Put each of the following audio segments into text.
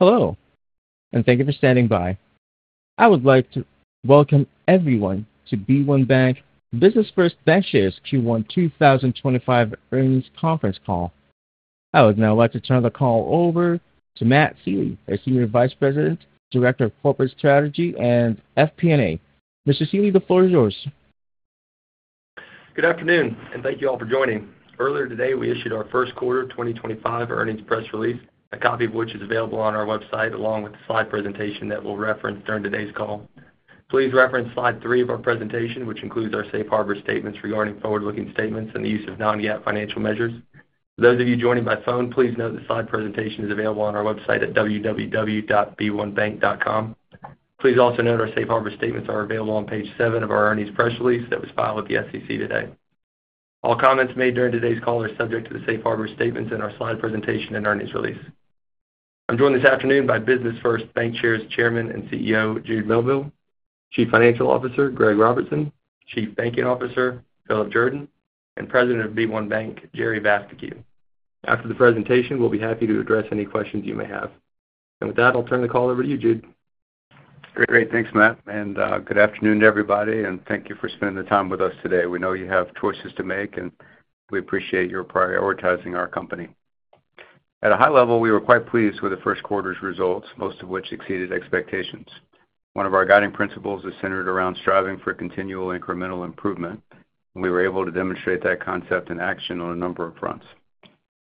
Hello, and thank you for standing by. I would like to welcome everyone to b1BANK Business First Bancshares Q1 2025 Earnings Conference Call. I would now like to turn the call over to Matthew Sealy, our Senior Vice President, Director of Corporate Strategy and FP&A. Mr. Sealy, the floor is yours. Good afternoon, and thank you all for joining. Earlier today, we issued our first quarter 2025 earnings press release, a copy of which is available on our website along with the slide presentation that we'll reference during today's call. Please reference slide three of our presentation, which includes our safe harbor statements regarding forward-looking statements and the use of non-GAAP financial measures. For those of you joining by phone, please note the slide presentation is available on our website at www.b1bank.com. Please also note our safe harbor statements are available on page seven of our earnings press release that was filed with the SEC today. All comments made during today's call are subject to the safe harbor statements and our slide presentation and earnings release. I'm joined this afternoon by Business First Bancshares Chairman and CEO, Jude Melville, Chief Financial Officer, Greg Robertson, Chief Banking Officer, Philip Jordan, and President of b1BANK, Jerry Vascocu. After the presentation, we'll be happy to address any questions you may have. With that, I'll turn the call over to you, Jude. Great, thanks, Matt. Good afternoon to everybody, and thank you for spending the time with us today. We know you have choices to make, and we appreciate your prioritizing our company. At a high level, we were quite pleased with the first quarter's results, most of which exceeded expectations. One of our guiding principles is centered around striving for continual incremental improvement, and we were able to demonstrate that concept in action on a number of fronts.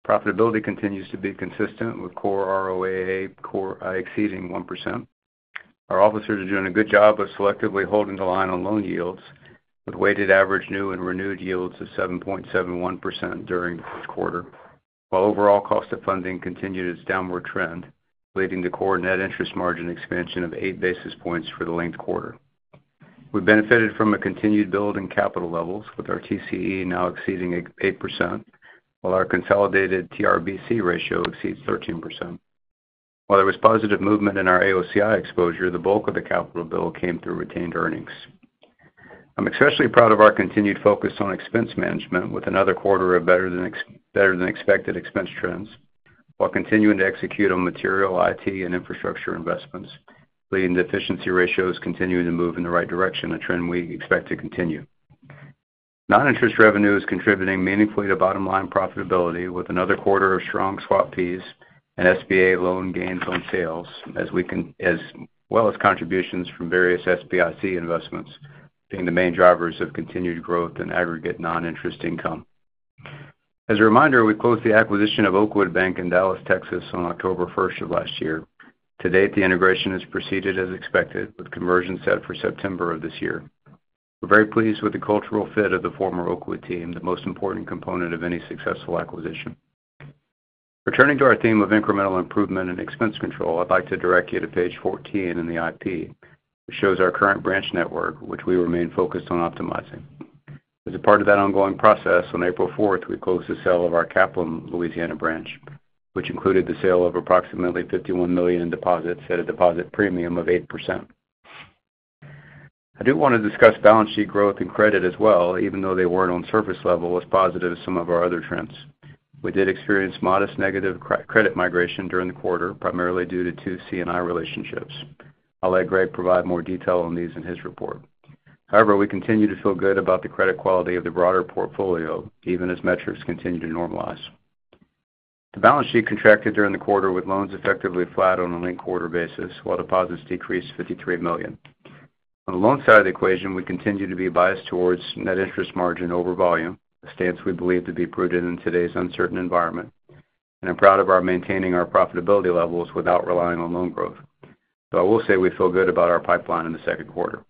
Profitability continues to be consistent with core ROAA exceeding 1%. Our officers are doing a good job of selectively holding the line on loan yields, with weighted average new and renewed yields of 7.71% during the first quarter, while overall cost of funding continued its downward trend, leading to core net interest margin expansion of eight basis points for the linked quarter. We benefited from a continued build in capital levels, with our TCE now exceeding 8%, while our consolidated TRBC ratio exceeds 13%. While there was positive movement in our AOCI exposure, the bulk of the capital build came through retained earnings. I'm especially proud of our continued focus on expense management, with another quarter of better than expected expense trends, while continuing to execute on material IT and infrastructure investments, leading to efficiency ratios continuing to move in the right direction, a trend we expect to continue. Non-interest revenue is contributing meaningfully to bottom-line profitability, with another quarter of strong swap fees and SBA loan gains on sales, as well as contributions from various SBIC investments being the main drivers of continued growth in aggregate non-interest income. As a reminder, we closed the acquisition of Oakwood Bank in Dallas, Texas, on October 1 of last year. To date, the integration has proceeded as expected, with conversion set for September of this year. We're very pleased with the cultural fit of the former Oakwood team, the most important component of any successful acquisition. Returning to our theme of incremental improvement and expense control, I'd like to direct you to page 14 in the IP, which shows our current branch network, which we remain focused on optimizing. As a part of that ongoing process, on April 4th, we closed the sale of our Kaplan, Louisiana branch, which included the sale of approximately $51 million in deposits, at a deposit premium of 8%. I do want to discuss balance sheet growth and credit as well, even though they weren't on surface level, as positive as some of our other trends. We did experience modest negative credit migration during the quarter, primarily due to two C&I relationships. I'll let Greg provide more detail on these in his report. However, we continue to feel good about the credit quality of the broader portfolio, even as metrics continue to normalize. The balance sheet contracted during the quarter, with loans effectively flat on a linked quarter basis, while deposits decreased $53 million. On the loan side of the equation, we continue to be biased towards net interest margin over volume, a stance we believe to be prudent in today's uncertain environment, and I'm proud of our maintaining our profitability levels without relying on loan growth. I will say we feel good about our pipeline in the second quarter.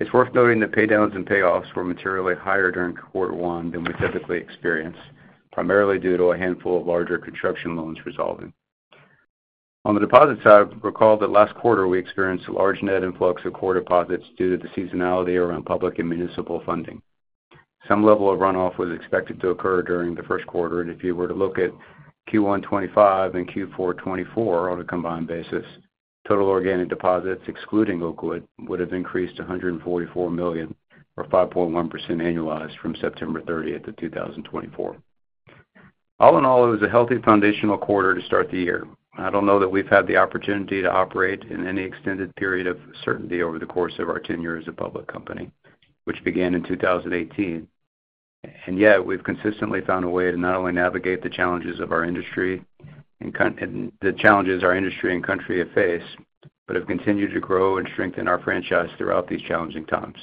It's worth noting that paydowns and payoffs were materially higher during quarter one than we typically experience, primarily due to a handful of larger construction loans resolving. On the deposit side, recall that last quarter we experienced a large net influx of core deposits due to the seasonality around public and municipal funding. Some level of runoff was expected to occur during the first quarter, and if you were to look at Q1 2025 and Q4 2024 on a combined basis, total organic deposits, excluding Oakwood, would have increased to $144 million, or 5.1% annualized from September 30th of 2024. All in all, it was a healthy foundational quarter to start the year. I don't know that we've had the opportunity to operate in any extended period of certainty over the course of our tenure as a public company, which began in 2018. Yet, we've consistently found a way to not only navigate the challenges of our industry and the challenges our industry and country have faced, but have continued to grow and strengthen our franchise throughout these challenging times.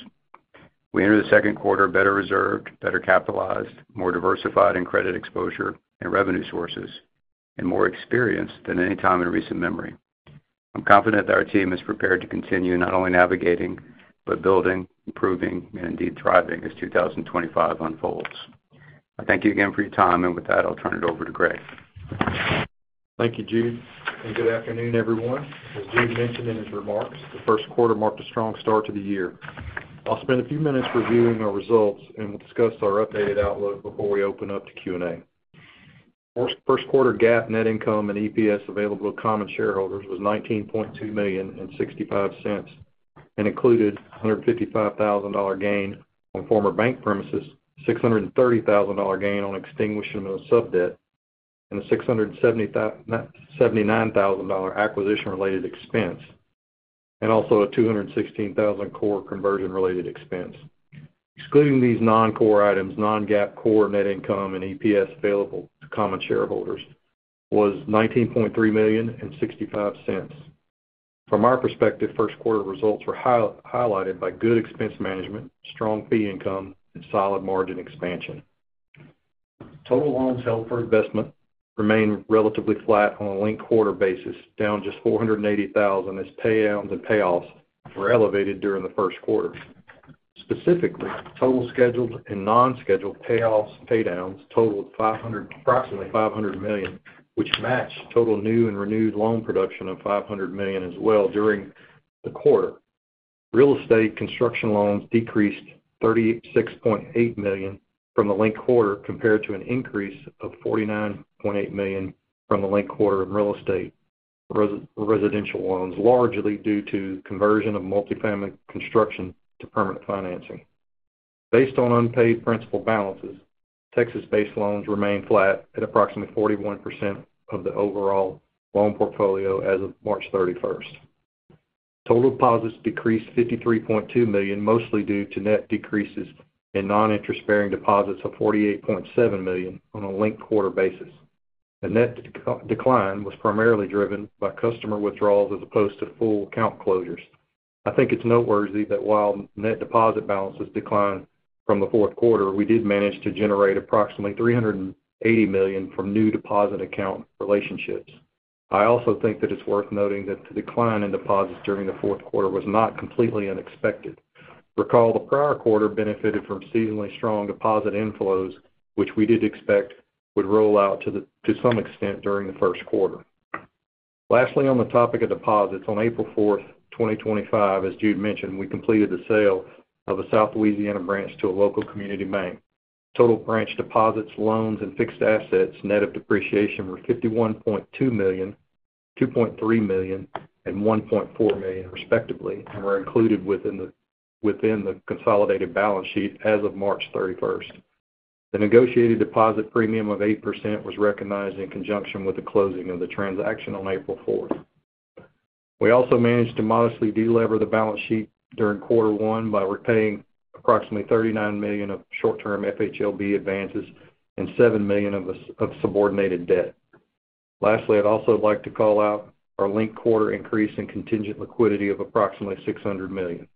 We entered the second quarter better reserved, better capitalized, more diversified in credit exposure and revenue sources, and more experienced than any time in recent memory. I'm confident that our team is prepared to continue not only navigating, but building, improving, and indeed thriving as 2025 unfolds. I thank you again for your time, and with that, I'll turn it over to Greg. Thank you, Jude. Good afternoon, everyone. As Jude mentioned in his remarks, the first quarter marked a strong start to the year. I'll spend a few minutes reviewing our results and we'll discuss our updated outlook before we open up to Q&A. First quarter GAAP net income and EPS available to common shareholders was $19.2 million and $0.65, and included a $155,000 gain on former bank premises, a $630,000 gain on extinguishing of sub debt, a $679,000 acquisition-related expense, and also a $216,000 core conversion-related expense. Excluding these non-core items, non-GAAP core net income and EPS available to common shareholders was $19.3 million and $0.65. From our perspective, first quarter results were highlighted by good expense management, strong fee income, and solid margin expansion. Total loans held for investment remained relatively flat on a linked quarter basis, down just $480,000 as paydowns and payoffs were elevated during the first quarter. Specifically, total scheduled and non-scheduled payoffs and paydowns totaled approximately $500 million, which matched total new and renewed loan production of $500 million as well during the quarter. Real estate construction loans decreased $36.8 million from the linked quarter compared to an increase of $49.8 million from the linked quarter in real estate residential loans, largely due to conversion of multifamily construction to permanent financing. Based on unpaid principal balances, Texas-based loans remained flat at approximately 41% of the overall loan portfolio as of March 31st. Total deposits decreased $53.2 million, mostly due to net decreases in non-interest-bearing deposits of $48.7 million on a linked quarter basis. The net decline was primarily driven by customer withdrawals as opposed to full account closures. I think it's noteworthy that while net deposit balances declined from the fourth quarter, we did manage to generate approximately $380 million from new deposit account relationships. I also think that it's worth noting that the decline in deposits during the fourth quarter was not completely unexpected. Recall the prior quarter benefited from seasonally strong deposit inflows, which we did expect would roll out to some extent during the first quarter. Lastly, on the topic of deposits, on April 4th, 2025, as Jude mentioned, we completed the sale of a South Louisiana branch to a local community bank. Total branch deposits, loans, and fixed assets net of depreciation were $51.2 million, $2.3 million, and $1.4 million, respectively, and were included within the consolidated balance sheet as of March 31st. The negotiated deposit premium of 8% was recognized in conjunction with the closing of the transaction on April 4th. We also managed to modestly delever the balance sheet during quarter one by repaying approximately $39 million of short-term FHLB advances and $7 million of subordinated debt. Lastly, I'd also like to call out our linked quarter increase in contingent liquidity of approximately $600 million.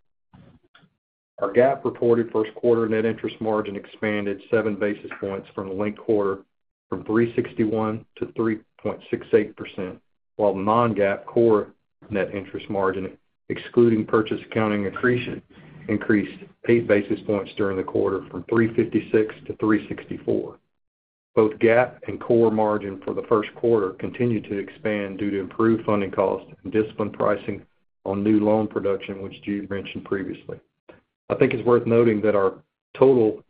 Our GAAP reported first quarter net interest margin expanded seven basis points from the linked quarter from 3.61% to 3.68%, while the non-GAAP core net interest margin, excluding purchase accounting accretion, increased eight basis points during the quarter from 3.56% to 3.64%. Both GAAP and core margin for the first quarter continued to expand due to improved funding costs and disciplined pricing on new loan production, which Jude mentioned previously. I think it's worth noting that our total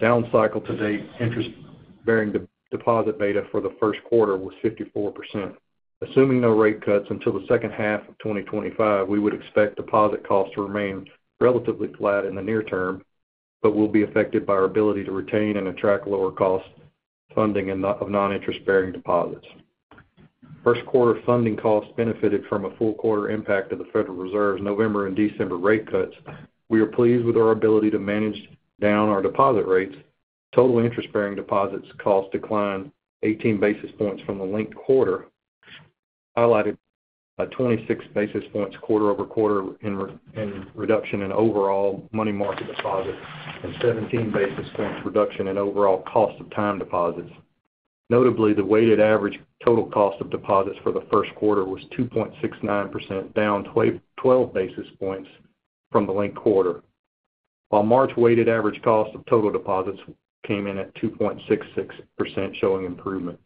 down cycle to date interest-bearing deposit beta for the first quarter was 54%. Assuming no rate cuts until the second half of 2025, we would expect deposit costs to remain relatively flat in the near term, but will be affected by our ability to retain and attract lower cost funding of non-interest-bearing deposits. First quarter funding costs benefited from a full quarter impact of the Federal Reserve's November and December rate cuts. We are pleased with our ability to manage down our deposit rates. Total interest-bearing deposits costs declined 18 basis points from the linked quarter, highlighted by 26 basis points quarter over quarter in reduction in overall money market deposits and 17 basis points reduction in overall cost of time deposits. Notably, the weighted average total cost of deposits for the first quarter was 2.69%, down 12 basis points from the linked quarter, while March weighted average cost of total deposits came in at 2.66%, showing improvement.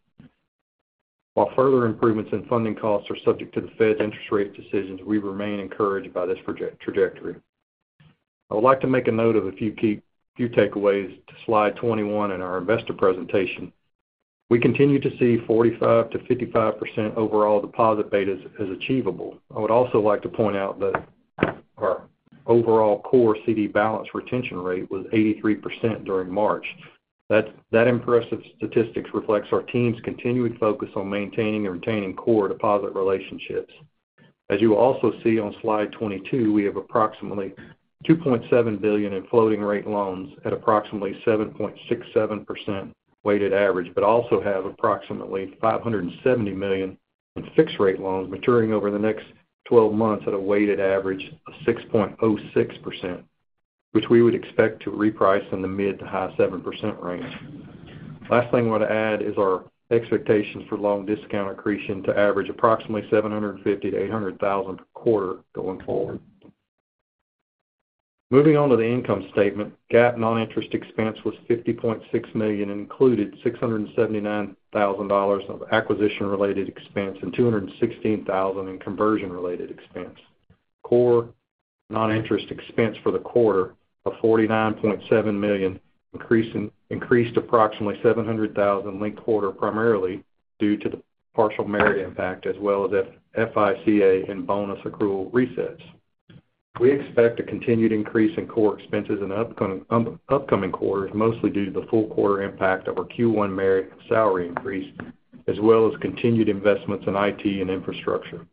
While further improvements in funding costs are subject to the Fed's interest rate decisions, we remain encouraged by this trajectory. I would like to make a note of a few takeaways to slide 21 in our investor presentation. We continue to see 45%-55% overall deposit beta as achievable. I would also like to point out that our overall core CD balance retention rate was 83% during March. That impressive statistic reflects our team's continued focus on maintaining and retaining core deposit relationships. As you will also see on slide 22, we have approximately $2.7 billion in floating rate loans at approximately 7.67% weighted average, but also have approximately $570 million in fixed rate loans maturing over the next 12 months at a weighted average of 6.06%, which we would expect to reprice in the mid to high 7% range. Last thing I want to add is our expectations for loan discount accretion to average approximately $750,000-$800,000 per quarter going forward. Moving on to the income statement, GAAP non-interest expense was $50.6 million and included $679,000 of acquisition-related expense and $216,000 in conversion-related expense. Core non-interest expense for the quarter of $49.7 million increased approximately $700,000 linked quarter primarily due to the partial merit impact as well as FICA and bonus accrual resets. We expect a continued increase in core expenses in upcoming quarters, mostly due to the full quarter impact of our Q1 merit salary increase, as well as continued investments in IT and infrastructure.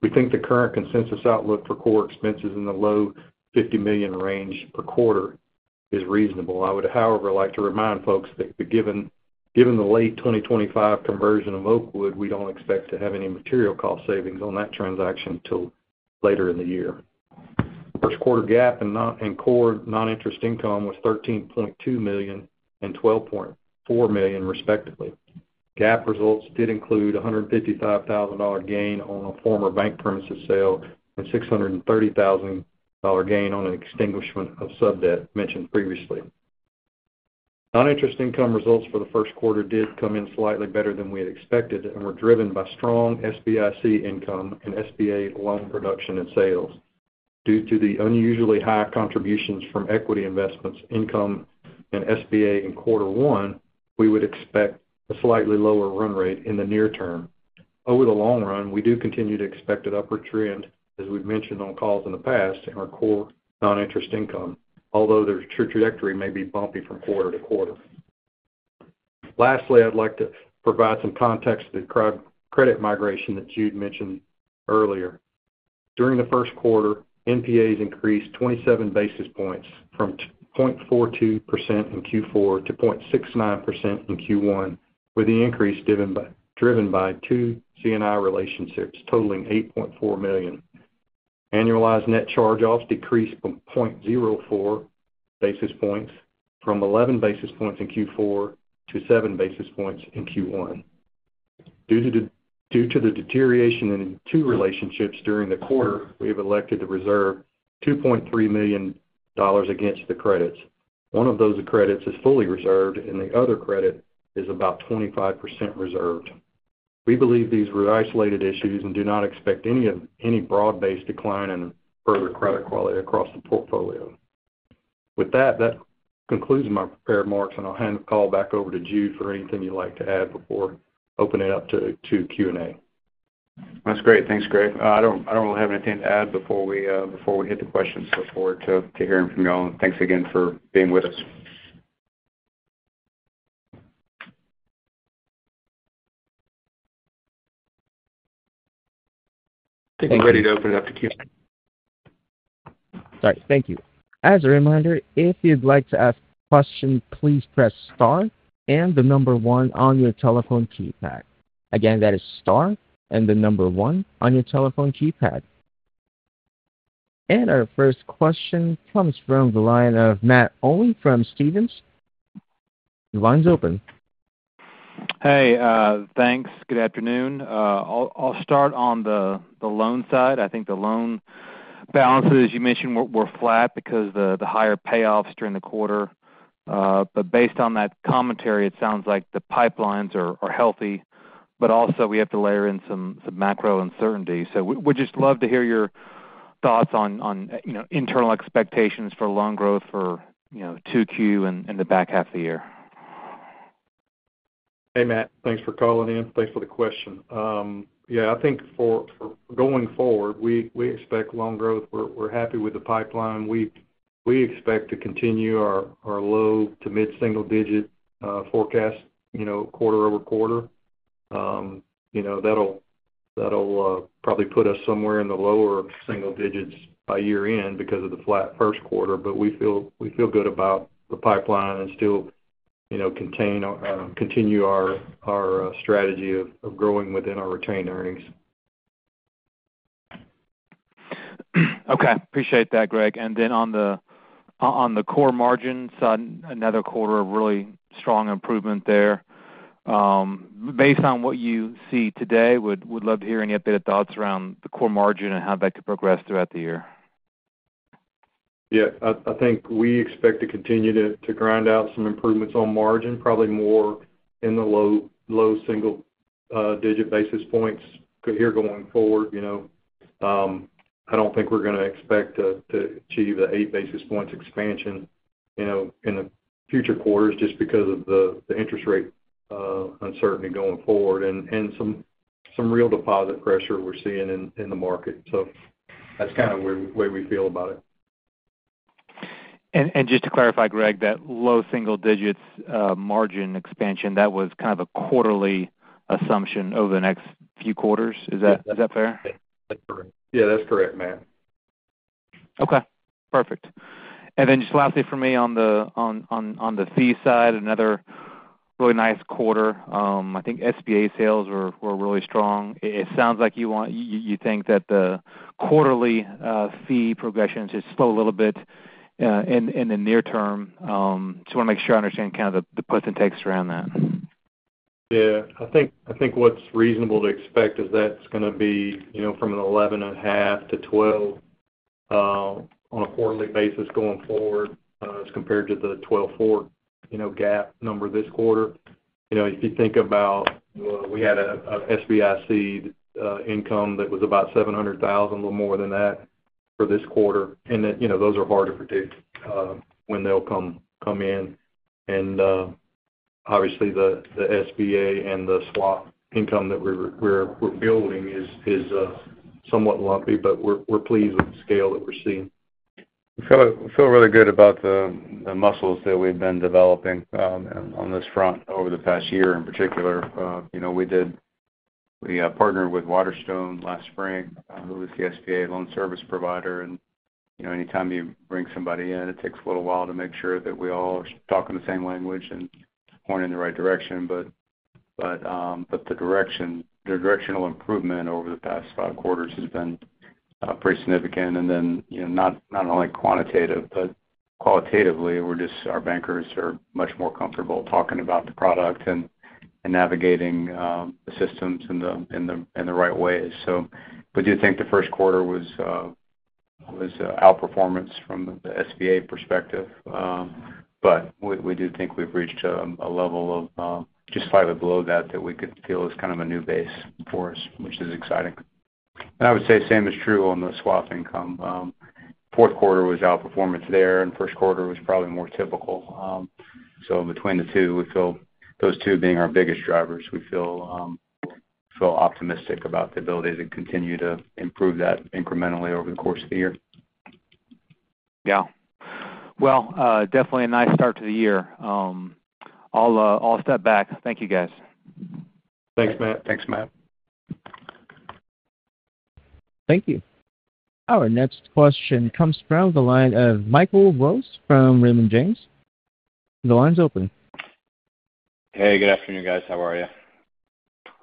We think the current consensus outlook for core expenses in the low $50 million range per quarter is reasonable. I would, however, like to remind folks that given the late 2025 conversion of Oakwood, we don't expect to have any material cost savings on that transaction until later in the year. First quarter GAAP and core non-interest income was $13.2 million and $12.4 million, respectively. GAAP results did include a $155,000 gain on a former bank premises sale and $630,000 gain on an extinguishment of sub debt mentioned previously. Non-interest income results for the first quarter did come in slightly better than we had expected and were driven by strong SBIC income and SBA loan production and sales. Due to the unusually high contributions from equity investments income and SBA in quarter one, we would expect a slightly lower run rate in the near term. Over the long run, we do continue to expect an upward trend, as we've mentioned on calls in the past, in our core non-interest income, although the trajectory may be bumpy from quarter to quarter. Lastly, I'd like to provide some context to the credit migration that Jude mentioned earlier. During the first quarter, NPAs increased 27 basis points from 0.42% in Q4 to 0.69% in Q1, with the increase driven by two C&I relationships totaling $8.4 million. Annualized net charge-offs decreased from 11 basis points in Q4 to 7 basis points in Q1. Due to the deterioration in two relationships during the quarter, we have elected to reserve $2.3 million against the credits. One of those credits is fully reserved, and the other credit is about 25% reserved. We believe these were isolated issues and do not expect any broad-based decline in further credit quality across the portfolio. With that, that concludes my prepared marks, and I'll hand the call back over to Jude for anything you'd like to add before opening it up to Q&A. That's great. Thanks, Greg. I don't really have anything to add before we hit the questions. Look forward to hearing from you all, and thanks again for being with us. I think we're ready to open it up to Q&A. All right. Thank you. As a reminder, if you'd like to ask a question, please press star and the number one on your telephone keypad. Again, that is star and the number one on your telephone keypad. Our first question comes from the line of Matt Olney from Stephens. The line's open. Hey, thanks. Good afternoon. I'll start on the loan side. I think the loan balances, as you mentioned, were flat because of the higher payoffs during the quarter. Based on that commentary, it sounds like the pipelines are healthy, but also we have to layer in some macro uncertainty. We'd just love to hear your thoughts on internal expectations for loan growth for Q2 and the back half of the year. Hey, Matt. Thanks for calling in. Thanks for the question. Yeah, I think for going forward, we expect loan growth. We're happy with the pipeline. We expect to continue our low to mid-single digit forecast quarter over quarter. That'll probably put us somewhere in the lower single digits by year-end because of the flat first quarter, but we feel good about the pipeline and still continue our strategy of growing within our retained earnings. Okay. Appreciate that, Greg. On the core margins, another quarter of really strong improvement there. Based on what you see today, we'd love to hear any updated thoughts around the core margin and how that could progress throughout the year. Yeah. I think we expect to continue to grind out some improvements on margin, probably more in the low single-digit basis points here going forward. I do not think we are going to expect to achieve the eight basis points expansion in the future quarters just because of the interest rate uncertainty going forward and some real deposit pressure we are seeing in the market. That is kind of the way we feel about it. Just to clarify, Greg, that low single-digit margin expansion, that was kind of a quarterly assumption over the next few quarters. Is that fair? Yeah, that's correct, Matt. Okay. Perfect. Lastly for me on the fee side, another really nice quarter. I think SBA sales were really strong. It sounds like you think that the quarterly fee progression should slow a little bit in the near term. Just want to make sure I understand kind of the puts and takes around that. Yeah. I think what's reasonable to expect is that it's going to be from an 11.5-12 on a quarterly basis going forward as compared to the 12.4 gap number this quarter. If you think about we had an SBIC income that was about $700,000, a little more than that for this quarter, and those are hard to predict when they'll come in. Obviously, the SBA and the swap income that we're building is somewhat lumpy, but we're pleased with the scale that we're seeing. We feel really good about the muscles that we've been developing on this front over the past year in particular. We partnered with Waterstone last spring, who is the SBA loan service provider. Anytime you bring somebody in, it takes a little while to make sure that we all are talking the same language and pointing in the right direction. The directional improvement over the past five quarters has been pretty significant. Not only quantitative, but qualitatively, our bankers are much more comfortable talking about the product and navigating the systems in the right ways. We do think the first quarter was outperformance from the SBA perspective, but we do think we have reached a level of just slightly below that that we could feel is kind of a new base for us, which is exciting. I would say the same is true on the swap income. Fourth quarter was outperformance there, and first quarter was probably more typical. Between the two, we feel those two being our biggest drivers, we feel optimistic about the ability to continue to improve that incrementally over the course of the year. Yeah. Definitely a nice start to the year. I'll step back. Thank you, guys. Thanks, Matt. Thanks, Matt. Thank you. Our next question comes from the line of Michael Rose from Raymond James. The line's open. Hey, good afternoon, guys. How are you?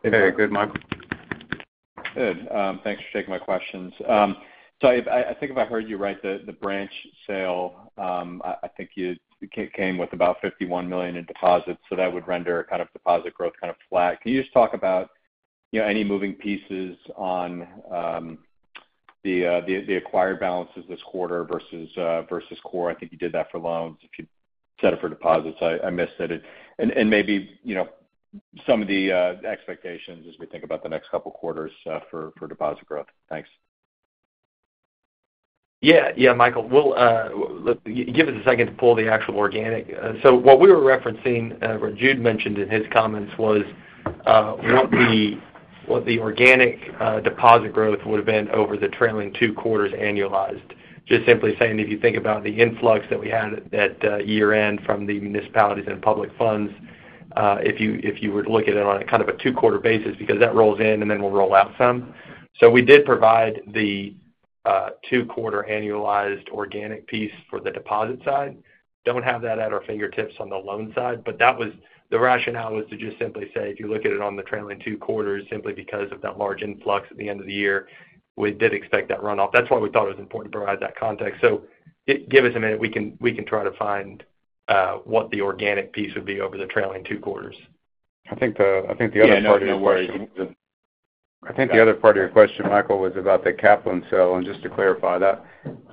Hey, very good, Michael. Good. Thanks for taking my questions. I think if I heard you right, the branch sale, I think you came with about $51 million in deposits, so that would render kind of deposit growth kind of flat. Can you just talk about any moving pieces on the acquired balances this quarter versus core? I think you did that for loans. If you set it for deposits, I missed it. Maybe some of the expectations as we think about the next couple of quarters for deposit growth. Thanks. Yeah. Yeah, Michael. Give us a second to pull the actual organic. What we were referencing, what Jude mentioned in his comments was what the organic deposit growth would have been over the trailing two quarters annualized. Just simply saying, if you think about the influx that we had at year-end from the municipalities and public funds, if you were to look at it on a kind of a two-quarter basis, because that rolls in and then we will roll out some. We did provide the two-quarter annualized organic piece for the deposit side. Do not have that at our fingertips on the loan side, but the rationale was to just simply say, if you look at it on the trailing two quarters, simply because of that large influx at the end of the year, we did expect that runoff. That's why we thought it was important to provide that context. Give us a minute. We can try to find what the organic piece would be over the trailing two quarters. I think the other part of your question was. I think the other part of your question, Michael, was about the Kaplan sale. Just to clarify, that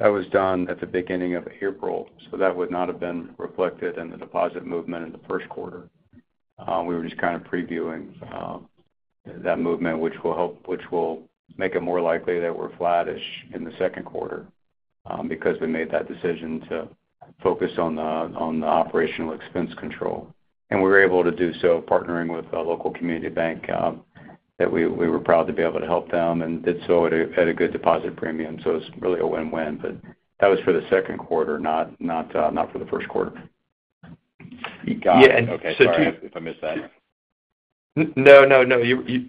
was done at the beginning of April, so that would not have been reflected in the deposit movement in the first quarter. We were just kind of previewing that movement, which will make it more likely that we're flattish in the second quarter because we made that decision to focus on the operational expense control. We were able to do so partnering with a local community bank that we were proud to be able to help them and did so at a good deposit premium. It is really a win-win. That was for the second quarter, not for the first quarter. You got it. Okay. Sorry if I missed that. No, no, no.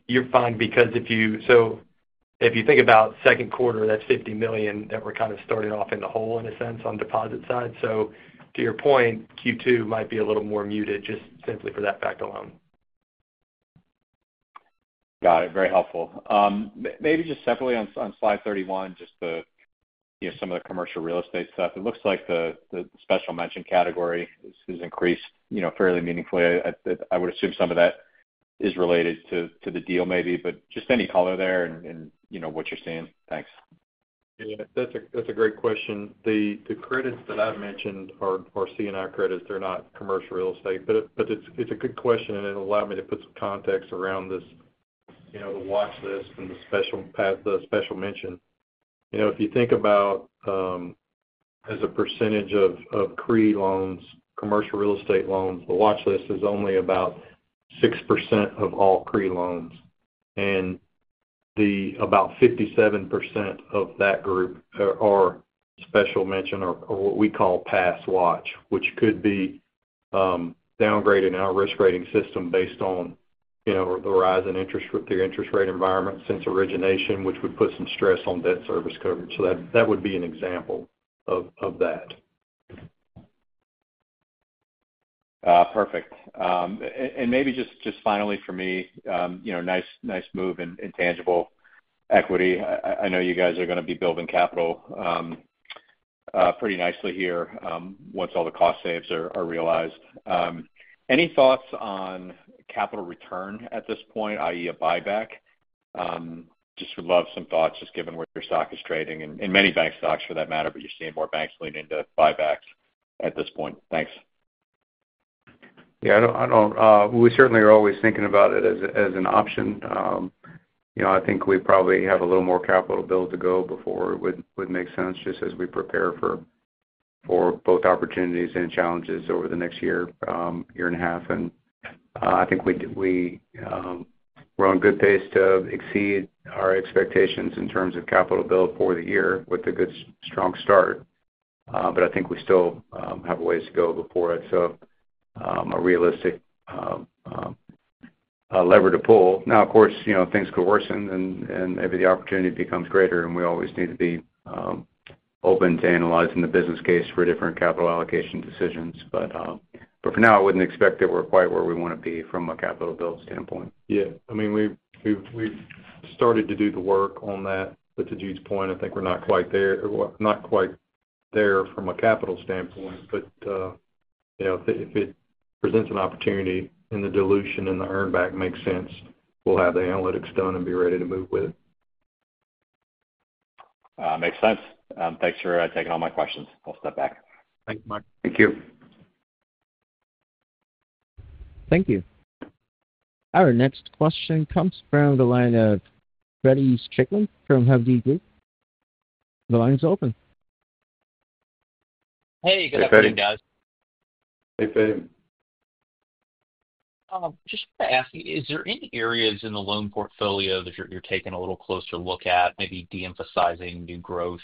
You're fine because if you think about second quarter, that's $50 million that we're kind of starting off in the hole in a sense on deposit side. To your point, Q2 might be a little more muted just simply for that fact alone. Got it. Very helpful. Maybe just separately on slide 31, just some of the commercial real estate stuff. It looks like the special mention category has increased fairly meaningfully. I would assume some of that is related to the deal maybe, but just any color there and what you're seeing. Thanks. Yeah. That's a great question. The credits that I've mentioned are C&I credits. They're not commercial real estate. It's a good question, and it allowed me to put some context around the watch list and the special mention. If you think about as a percentage of CRE loans, commercial real estate loans, the watch list is only about 6% of all CRE loans. About 57% of that group are special mention or what we call pass watch, which could be downgrading our risk rating system based on the rise in their interest rate environment since origination, which would put some stress on debt service coverage. That would be an example of that. Perfect. Maybe just finally for me, nice move in tangible equity. I know you guys are going to be building capital pretty nicely here once all the cost saves are realized. Any thoughts on capital return at this point, i.e., a buyback? Just would love some thoughts just given where your stock is trading and many bank stocks for that matter, but you're seeing more banks leaning to buybacks at this point. Thanks. Yeah. We certainly are always thinking about it as an option. I think we probably have a little more capital build to go before it would make sense just as we prepare for both opportunities and challenges over the next year, year and a half. I think we're on good pace to exceed our expectations in terms of capital build for the year with a good strong start. I think we still have a ways to go before it is a realistic lever to pull. Now, of course, things could worsen and maybe the opportunity becomes greater, and we always need to be open to analyzing the business case for different capital allocation decisions. For now, I wouldn't expect that we're quite where we want to be from a capital build standpoint. Yeah. I mean, we've started to do the work on that. To Jude's point, I think we're not quite there from a capital standpoint. If it presents an opportunity and the dilution and the earnback makes sense, we'll have the analytics done and be ready to move with it. Makes sense. Thanks for taking all my questions. I'll step back. Thanks, Mike. Thank you. Thank you. Our next question comes from the line of Feddie Strickland from KBW. The line's open. Hey, good afternoon, guys. Hey, Fade. Just to ask, is there any areas in the loan portfolio that you're taking a little closer look at, maybe de-emphasizing new growth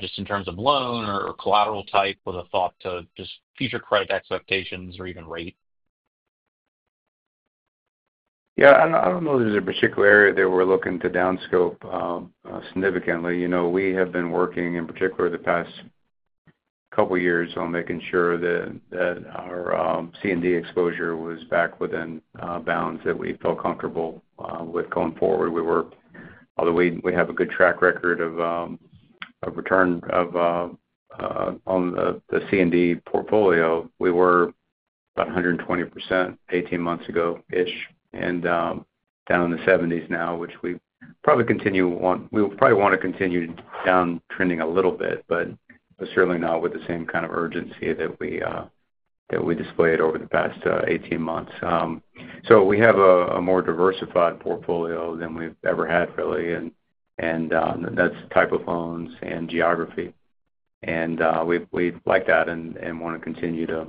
just in terms of loan or collateral type with a thought to just future credit expectations or even rate? Yeah. I don't know there's a particular area that we're looking to downscope significantly. We have been working, in particular, the past couple of years on making sure that our C&D exposure was back within bounds that we felt comfortable with going forward. Although we have a good track record of return on the C&D portfolio, we were about 120% 18 months ago-ish and down in the 70s now, which we probably continue to want. We probably want to continue downtrending a little bit, but certainly not with the same kind of urgency that we displayed over the past 18 months. We have a more diversified portfolio than we've ever had, really. And that's type of loans and geography. We like that and want to continue to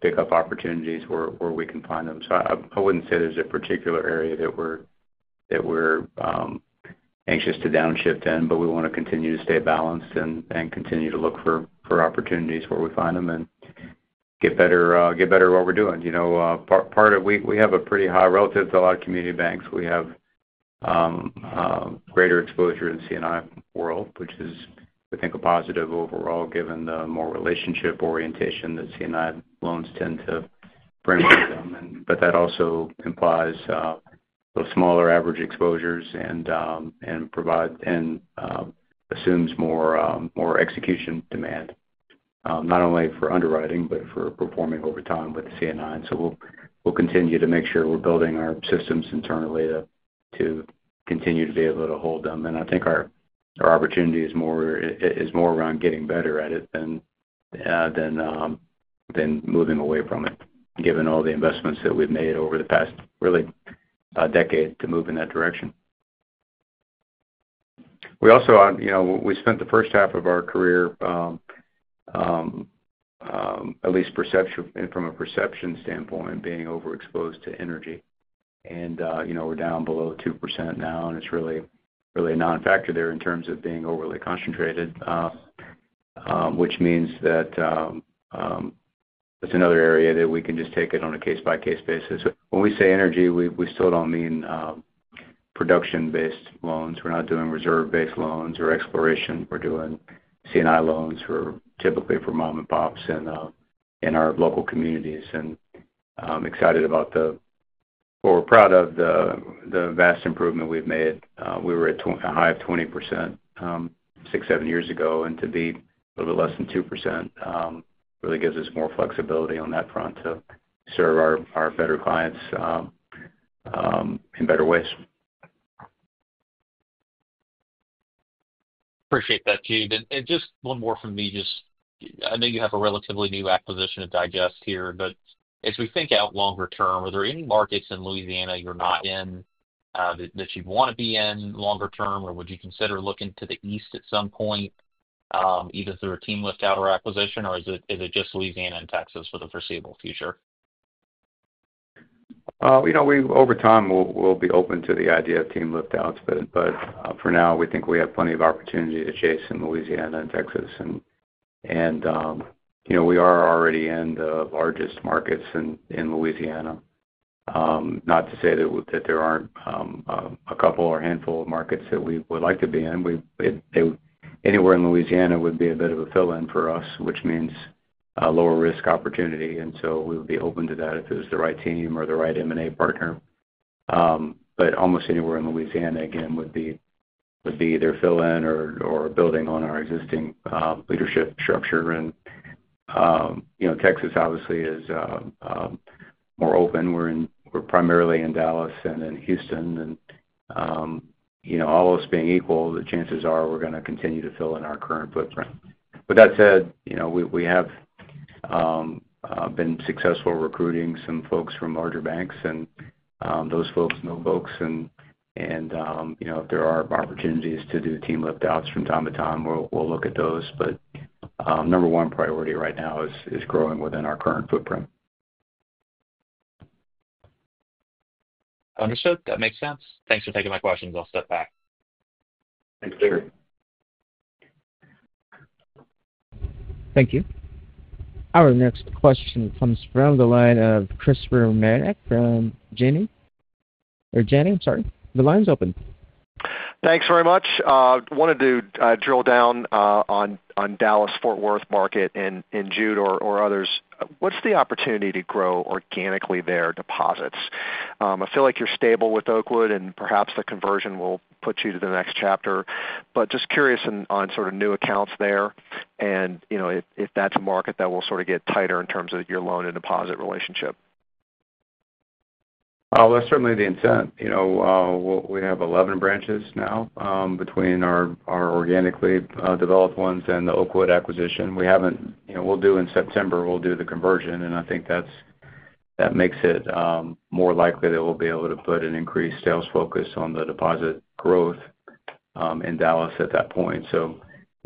pick up opportunities where we can find them. I wouldn't say there's a particular area that we're anxious to downshift in, but we want to continue to stay balanced and continue to look for opportunities where we find them and get better at what we're doing. We have a pretty high, relative to a lot of community banks. We have greater exposure in the C&I world, which is, I think, a positive overall given the more relationship orientation that C&I loans tend to bring with them. That also implies smaller average exposures and assumes more execution demand, not only for underwriting, but for performing over time with C&I. We'll continue to make sure we're building our systems internally to continue to be able to hold them. I think our opportunity is more around getting better at it than moving away from it, given all the investments that we've made over the past really decade to move in that direction. We spent the first half of our career, at least from a perception standpoint, being overexposed to energy. We're down below 2% now, and it's really a non-factor there in terms of being overly concentrated, which means that it's another area that we can just take it on a case-by-case basis. When we say energy, we still don't mean production-based loans. We're not doing reserve-based loans or exploration. We're doing C&I loans typically for mom-and-pops in our local communities. I'm excited about or proud of the vast improvement we've made. We were at a high of 20% six, seven years ago, and to be a little bit less than 2% really gives us more flexibility on that front to serve our better clients in better ways. Appreciate that, Jude. Just one more from me. I know you have a relatively new acquisition to digest here, but as we think out longer term, are there any markets in Louisiana you're not in that you'd want to be in longer term, or would you consider looking to the east at some point, either through a team lift-out or acquisition, or is it just Louisiana and Texas for the foreseeable future? Over time, we'll be open to the idea of team lift-outs. For now, we think we have plenty of opportunity to chase in Louisiana and Texas. We are already in the largest markets in Louisiana. Not to say that there aren't a couple or handful of markets that we would like to be in. Anywhere in Louisiana would be a bit of a fill-in for us, which means lower risk opportunity. We would be open to that if it was the right team or the right M&A partner. Almost anywhere in Louisiana, again, would be either fill-in or building on our existing leadership structure. Texas, obviously, is more open. We're primarily in Dallas and in Houston. All else being equal, the chances are we're going to continue to fill in our current footprint. With that said, we have been successful recruiting some folks from larger banks, and those folks know folks. If there are opportunities to do team lift-outs from time to time, we'll look at those. The number one priority right now is growing within our current footprint. Understood. That makes sense. Thanks for taking my questions. I'll step back. Thank you.. Thank you. Our next question comes from the line of Christopher Marinac from Janney. Or Janney, I'm sorry. The line's open. Thanks very much. I wanted to drill down on Dallas-Fort Worth market and Jude or others. What's the opportunity to grow organically their deposits? I feel like you're stable with Oakwood, and perhaps the conversion will put you to the next chapter. Just curious on sort of new accounts there. If that's a market that will sort of get tighter in terms of your loan and deposit relationship. That's certainly the intent. We have 11 branches now between our organically developed ones and the Oakwood acquisition. We'll do in September, we'll do the conversion. I think that makes it more likely that we'll be able to put an increased sales focus on the deposit growth in Dallas at that point.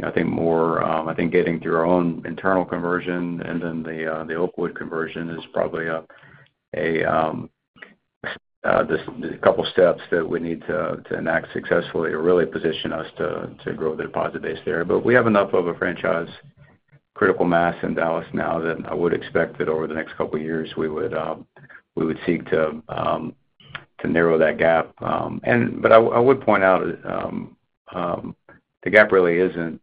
I think getting through our own internal conversion and then the Oakwood conversion is probably a couple of steps that we need to enact successfully or really position us to grow the deposit base there. We have enough of a franchise critical mass in Dallas now that I would expect that over the next couple of years, we would seek to narrow that gap. I would point out the gap really isn't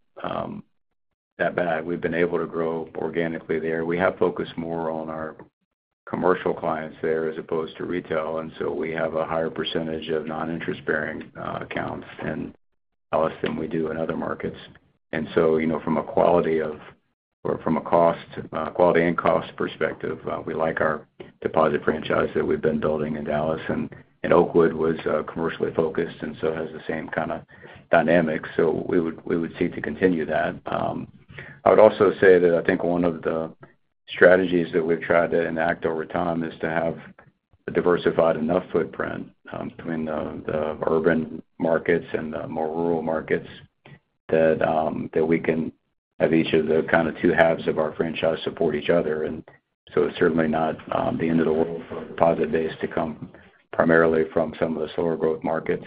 that bad. We've been able to grow organically there. We have focused more on our commercial clients there as opposed to retail. We have a higher percentage of non-interest-bearing accounts in Dallas than we do in other markets. From a quality and cost perspective, we like our deposit franchise that we've been building in Dallas. Oakwood was commercially focused and has the same kind of dynamic. We would seek to continue that. I would also say that I think one of the strategies that we've tried to enact over time is to have a diversified enough footprint between the urban markets and the more rural markets that we can have each of the kind of two halves of our franchise support each other. It is certainly not the end of the world for deposit base to come primarily from some of the slower growth markets.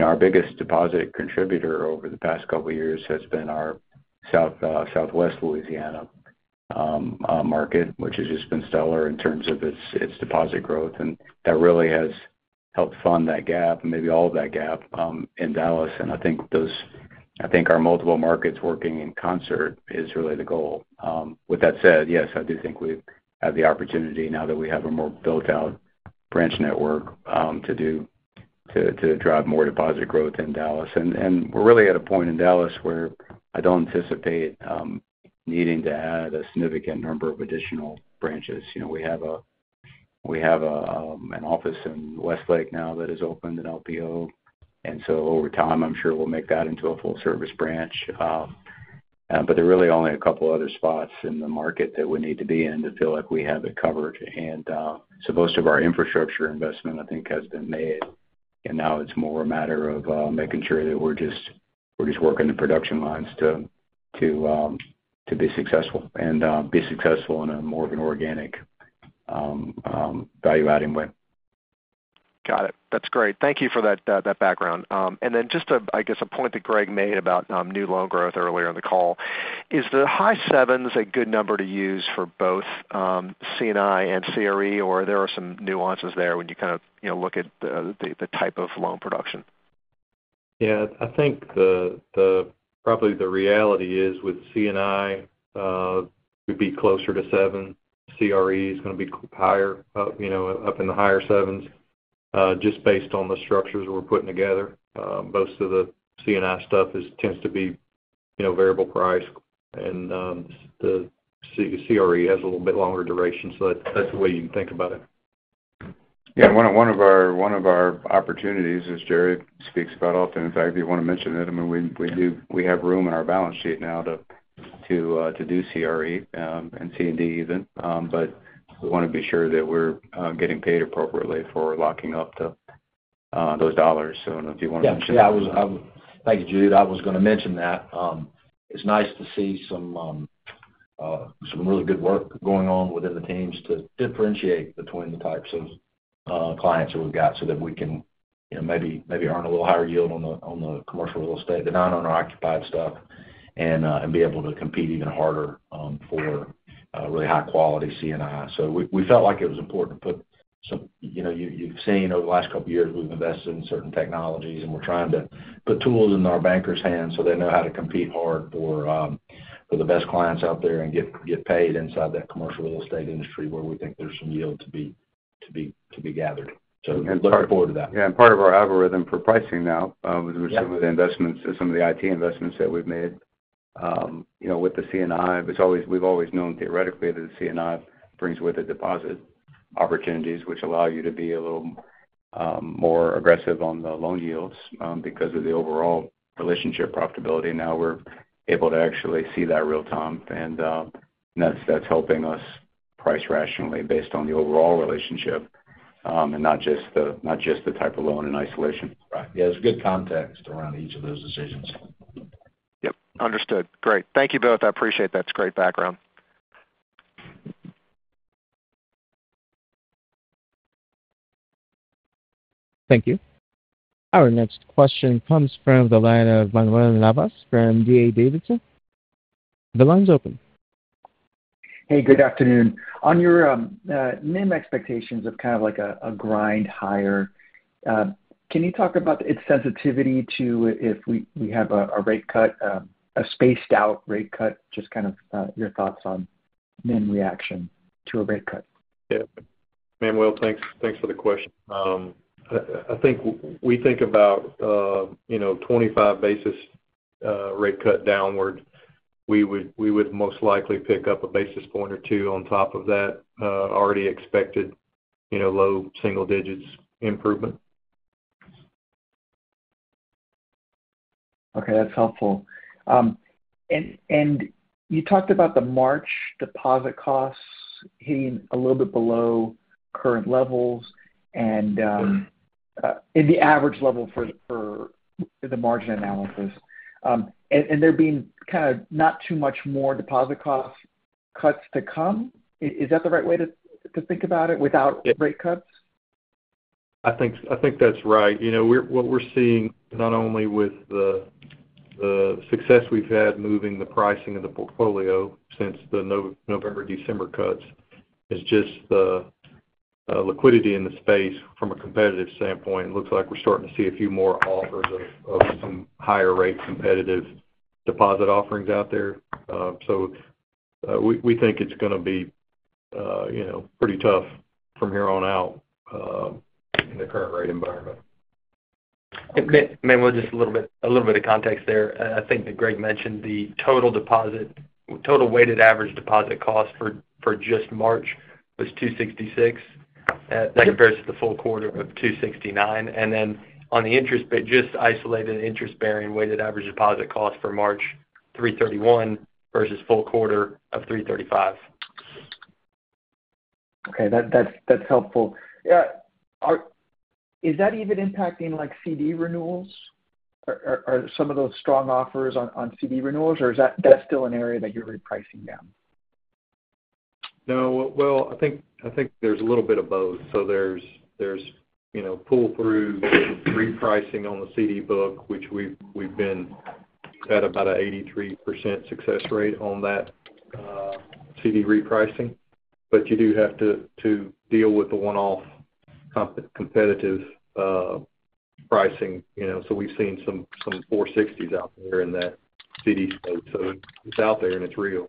Our biggest deposit contributor over the past couple of years has been our Southwest Louisiana market, which has just been stellar in terms of its deposit growth. That really has helped fund that gap, maybe all of that gap in Dallas. I think our multiple markets working in concert is really the goal. With that said, yes, I do think we have the opportunity now that we have a more built-out branch network to drive more deposit growth in Dallas. We are really at a point in Dallas where I do not anticipate needing to add a significant number of additional branches. We have an office in Westlake now that is open in LPO. Over time, I am sure we will make that into a full-service branch. There are really only a couple of other spots in the market that we need to be in to feel like we have it covered. Most of our infrastructure investment, I think, has been made. Now it's more a matter of making sure that we're just working the production lines to be successful and be successful in a more of an organic value-adding way. Got it. That's great. Thank you for that background. I guess a point that Greg made about new loan growth earlier in the call. Is the high sevens a good number to use for both C&I and CRE, or are there some nuances there when you kind of look at the type of loan production? Yeah. I think probably the reality is with C&I, we'd be closer to seven. CRE is going to be higher, up in the higher sevens, just based on the structures we're putting together. Most of the C&I stuff tends to be variable priced, and the CRE has a little bit longer duration. That is the way you can think about it. Yeah. One of our opportunities, as Jerry speaks about often, in fact, if you want to mention it, I mean, we have room in our balance sheet now to do CRE and C&D even. We want to be sure that we're getting paid appropriately for locking up those dollars. If you want to mention that. Yeah. Thank you, Jude. I was going to mention that. It's nice to see some really good work going on within the teams to differentiate between the types of clients that we've got so that we can maybe earn a little higher yield on the commercial real estate, the non-owner-occupied stuff, and be able to compete even harder for really high-quality C&I. We felt like it was important to put some, you've seen over the last couple of years, we've invested in certain technologies, and we're trying to put tools in our bankers' hands so they know how to compete hard for the best clients out there and get paid inside that commercial real estate industry where we think there's some yield to be gathered. We're looking forward to that. Yeah. Part of our algorithm for pricing now, with some of the investments, some of the IT investments that we've made with the C&I, we've always known theoretically that the C&I brings with it deposit opportunities, which allow you to be a little more aggressive on the loan yields because of the overall relationship profitability. Now we're able to actually see that real-time. That's helping us price rationally based on the overall relationship and not just the type of loan in isolation. Right. Yeah. There's good context around each of those decisions. Yep. Understood. Great. Thank you both. I appreciate that. It's great background. Thank you. Our next question comes from the line of Manuel Navas from D.A. Davidson. The line's open. Hey, good afternoon. On your NIM expectations of kind of like a grind higher, can you talk about its sensitivity to if we have a rate cut, a spaced-out rate cut, just kind of your thoughts on NIM reaction to a rate cut? Yeah. Manuel, thanks for the question. I think we think about a 25 basis points rate cut downward, we would most likely pick up a basis point or two on top of that already expected low single digits improvement. Okay. That's helpful. You talked about the March deposit costs hitting a little bit below current levels and the average level for the margin analysis. There being kind of not too much more deposit cost cuts to come, is that the right way to think about it without rate cuts? I think that's right. What we're seeing, not only with the success we've had moving the pricing of the portfolio since the November, December cuts, is just the liquidity in the space from a competitive standpoint. It looks like we're starting to see a few more offers of some higher-rate competitive deposit offerings out there. We think it's going to be pretty tough from here on out in the current rate environment. Manuel, just a little bit of context there. I think that Greg mentioned the total weighted average deposit cost for just March was 2.66%. That compares to the full quarter of 2.69%. And then on the interest-based, just isolated interest-bearing weighted average deposit cost for March, 3.31% versus full quarter of 3.35%. Okay. That's helpful. Is that even impacting CD renewals? Are some of those strong offers on CD renewals, or is that still an area that you're repricing down? No. I think there's a little bit of both. There's pull-through repricing on the CD book, which we've been at about an 83% success rate on that CD repricing. You do have to deal with the one-off competitive pricing. We've seen some 4.60s out there in that CD space. It's out there and it's real.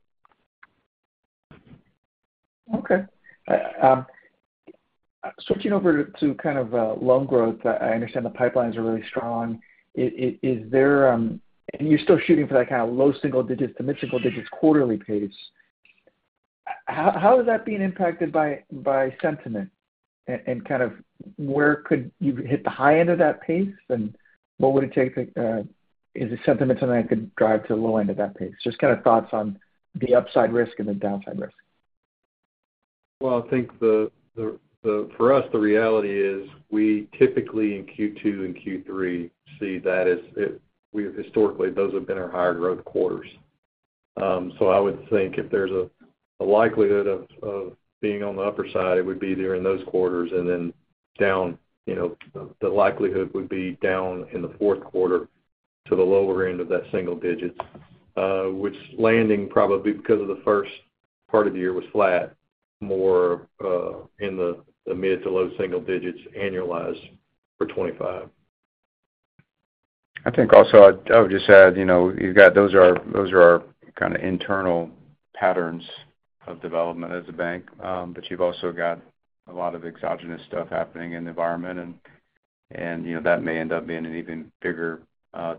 Okay. Switching over to kind of loan growth, I understand the pipelines are really strong. And you're still shooting for that kind of low single digits to mid-single digits quarterly pace. How is that being impacted by sentiment? And kind of where could you hit the high end of that pace? And what would it take? Is the sentiment something that could drive to the low end of that pace? Just kind of thoughts on the upside risk and the downside risk. I think for us, the reality is we typically in Q2 and Q3 see that as historically, those have been our higher growth quarters. I would think if there's a likelihood of being on the upper side, it would be there in those quarters. The likelihood would be down in the fourth quarter to the lower end of that single digits, which landing probably because of the first part of the year was flat, more in the mid to low single digits annualized for 2025. I think also I would just add, those are our kind of internal patterns of development as a bank. You have also got a lot of exogenous stuff happening in the environment. That may end up being an even bigger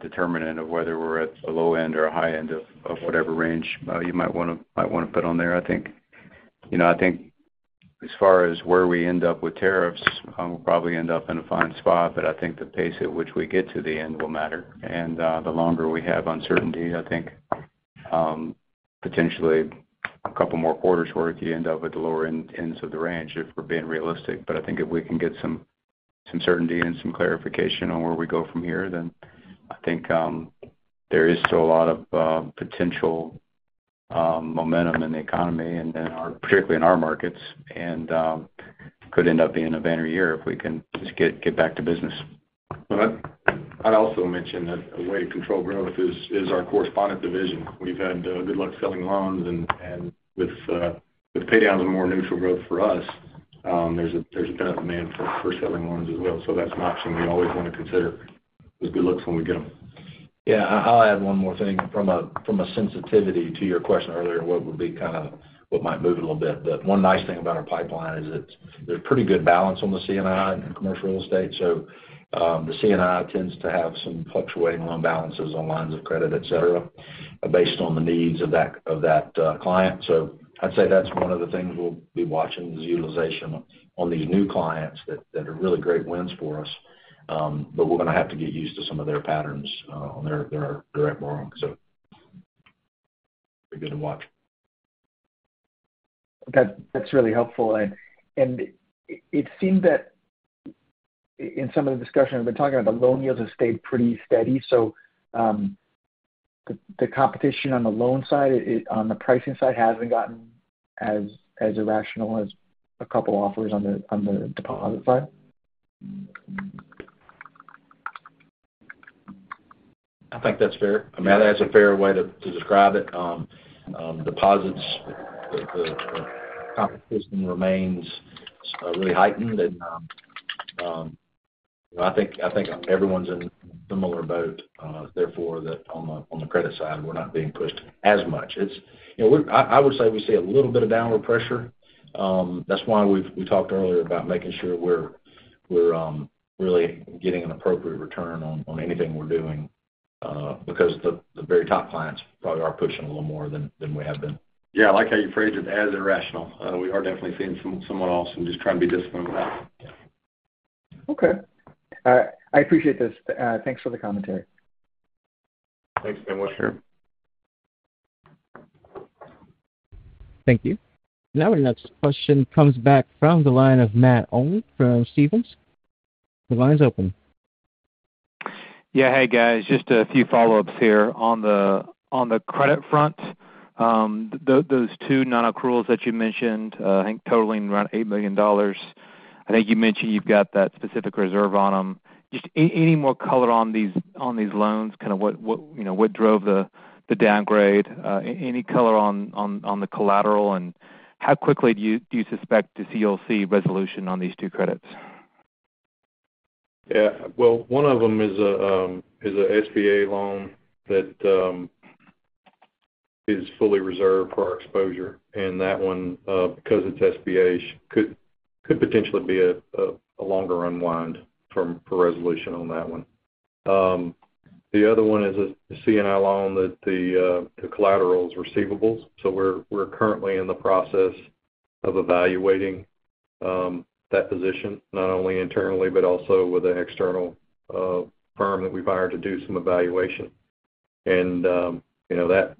determinant of whether we are at the low end or high end of whatever range you might want to put on there. I think as far as where we end up with tariffs, we will probably end up in a fine spot. I think the pace at which we get to the end will matter. The longer we have uncertainty, I think potentially a couple more quarters' worth, you end up at the lower ends of the range if we are being realistic. I think if we can get some certainty and some clarification on where we go from here, then I think there is still a lot of potential momentum in the economy, particularly in our markets, and could end up being a vanity year if we can just get back to business. I'd also mention that a way to control growth is our correspondent division. We've had good luck selling loans. With paydowns and more neutral growth for us, there's been a demand for selling loans as well. That's an option we always want to consider. There's good looks when we get them. Yeah. I'll add one more thing from a sensitivity to your question earlier, what would be kind of what might move it a little bit. One nice thing about our pipeline is that there's pretty good balance on the C&I and commercial real estate. The C&I tends to have some fluctuating loan balances on lines of credit, etc., based on the needs of that client. I'd say that's one of the things we'll be watching is utilization on these new clients that are really great wins for us. We're going to have to get used to some of their patterns on their direct borrowing. It'd be good to watch. That's really helpful. It seemed that in some of the discussion we've been talking about, the loan yields have stayed pretty steady. The competition on the loan side, on the pricing side, hasn't gotten as irrational as a couple offers on the deposit side? I think that's fair. I mean, that's a fair way to describe it. Deposits, the competition remains really heightened. I think everyone's in a similar boat. Therefore, on the credit side, we're not being pushed as much. I would say we see a little bit of downward pressure. That's why we talked earlier about making sure we're really getting an appropriate return on anything we're doing because the very top clients probably are pushing a little more than we have been. Yeah. I like how you phrased it as irrational. We are definitely seeing someone else and just trying to be disciplined with that. Okay. I appreciate this. Thanks for the commentary. Thanks, Manuel. Sure. Thank you. Now our next question comes back from the line of Matt Olney from Stephens. The line's open. Yeah. Hey, guys. Just a few follow-ups here on the credit front. Those two non-accruals that you mentioned, I think totaling around $8 million. I think you mentioned you've got that specific reserve on them. Just any more color on these loans, kind of what drove the downgrade? Any color on the collateral? How quickly do you suspect to see you'll see resolution on these two credits? Yeah. One of them is an SBA loan that is fully reserved for our exposure. That one, because it's SBA, could potentially be a longer unwind for resolution on that one. The other one is a C&I loan that the collateral is receivables. We're currently in the process of evaluating that position, not only internally, but also with an external firm that we've hired to do some evaluation.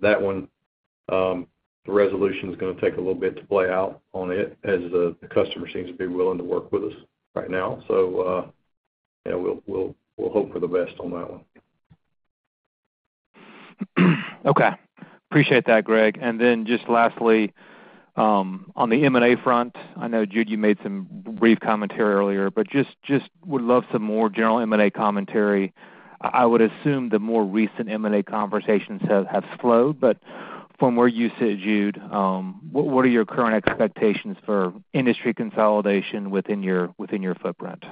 That one, the resolution is going to take a little bit to play out on it as the customer seems to be willing to work with us right now. We'll hope for the best on that one. Okay. Appreciate that, Greg. Lastly, on the M&A front, I know, Jude, you made some brief commentary earlier, but just would love some more general M&A commentary. I would assume the more recent M&A conversations have slowed. From where you sit, Jude, what are your current expectations for industry consolidation within your footprint?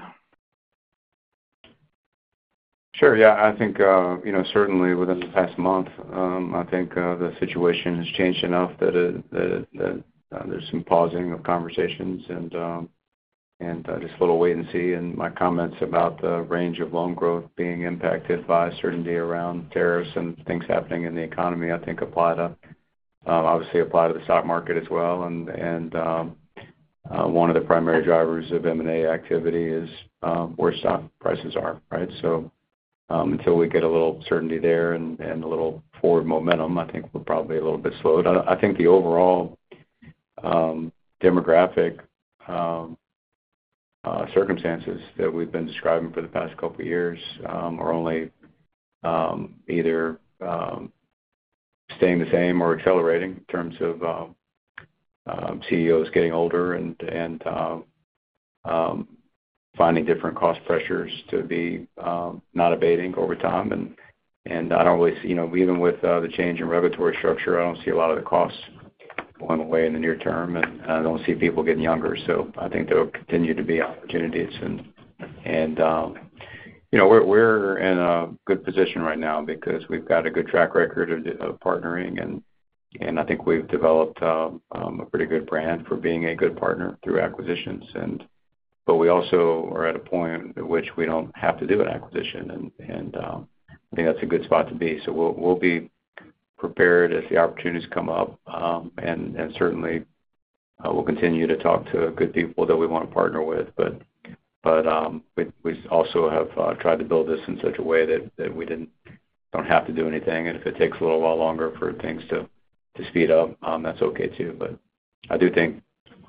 Sure. Yeah. I think certainly within the past month, I think the situation has changed enough that there's some pausing of conversations and just a little wait and see. My comments about the range of loan growth being impacted by certainty around tariffs and things happening in the economy, I think obviously apply to the stock market as well. One of the primary drivers of M&A activity is where stock prices are, right? Until we get a little certainty there and a little forward momentum, I think we're probably a little bit slowed. I think the overall demographic circumstances that we've been describing for the past couple of years are only either staying the same or accelerating in terms of CEOs getting older and finding different cost pressures to be not abating over time. I don't really see even with the change in regulatory structure, I don't see a lot of the costs going away in the near term. I don't see people getting younger. I think there will continue to be opportunities. We're in a good position right now because we've got a good track record of partnering. I think we've developed a pretty good brand for being a good partner through acquisitions. We also are at a point at which we don't have to do an acquisition. I think that's a good spot to be. We'll be prepared as the opportunities come up. Certainly, we'll continue to talk to good people that we want to partner with. We also have tried to build this in such a way that we don't have to do anything. If it takes a little while longer for things to speed up, that's okay too. I do think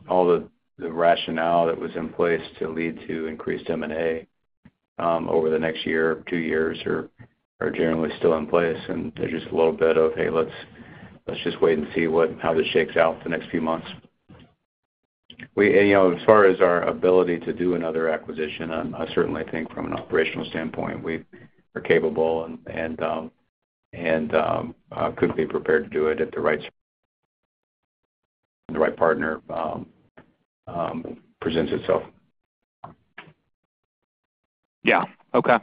all the rationale that was in place to lead to increased M&A over the next year or two years are generally still in place. There's just a little bit of, "Hey, let's just wait and see how this shakes out the next few months." As far as our ability to do another acquisition, I certainly think from an operational standpoint, we are capable and could be prepared to do it if the right partner presents itself. Yeah. Okay.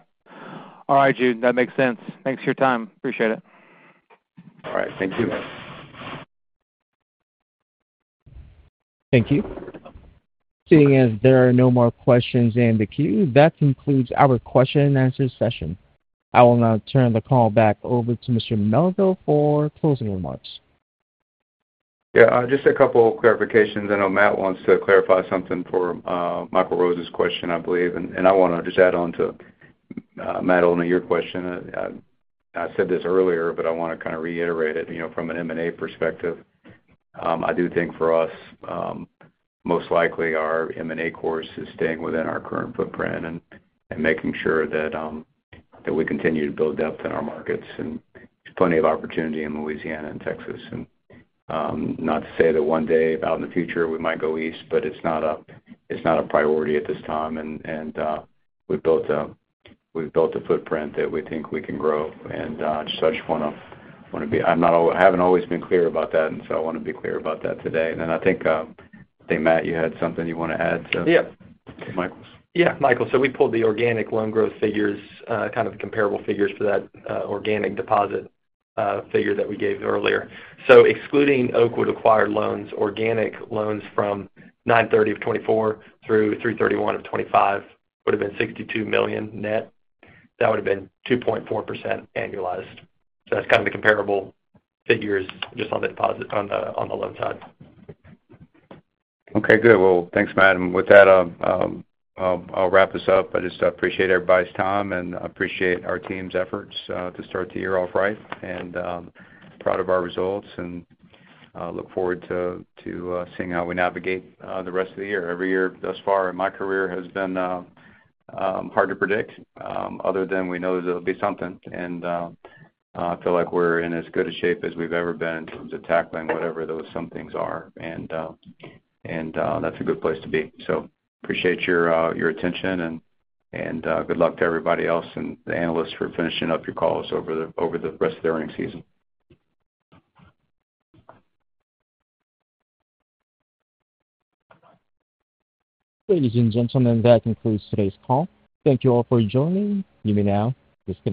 All right, Jude. That makes sense. Thanks for your time. Appreciate it. All right. Thank you. Thank you. Seeing as there are no more questions in the queue, that concludes our question-and-answer session. I will now turn the call back over to Mr. Melville for closing remarks. Yeah. Just a couple of clarifications. I know Matt wants to clarify something for Michael Rose's question, I believe. I want to just add on to Matt Olney and your question. I said this earlier, but I want to kind of reiterate it from an M&A perspective. I do think for us, most likely our M&A course is staying within our current footprint and making sure that we continue to build depth in our markets. There is plenty of opportunity in Louisiana and Texas. Not to say that one day out in the future we might go east, but it is not a priority at this time. We have built a footprint that we think we can grow. I just want to be—I have not always been clear about that. I want to be clear about that today. I think, Matt, you had something you want to add to Michael's? Yeah. Michael, we pulled the organic loan growth figures, kind of comparable figures for that organic deposit figure that we gave earlier. Excluding Oakwood-acquired loans, organic loans from 09/30/2024 through 03/31/2025 would have been $62 million net. That would have been 2.4% annualized. That is kind of the comparable figures just on the loan side. Okay. Good. Thanks, Matt. With that, I'll wrap this up. I just appreciate everybody's time and appreciate our team's efforts to start the year off right. I'm proud of our results and look forward to seeing how we navigate the rest of the year. Every year thus far in my career has been hard to predict other than we know there'll be something. I feel like we're in as good a shape as we've ever been in terms of tackling whatever those some things are. That's a good place to be. Appreciate your attention and good luck to everybody else and the analysts for finishing up your calls over the rest of the earning season. Ladies and gentlemen, that concludes today's call. Thank you all for joining. You may now disconnect.